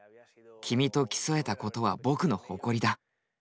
「君と競えたことは僕の誇りだ。